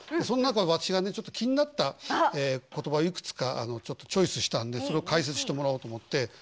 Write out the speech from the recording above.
その中で私がねちょっと気になった言葉をいくつかちょっとチョイスしたんでそれを解説してもらおうと思って。